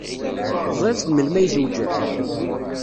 Teẓriḍ seg melmi ay zewjen?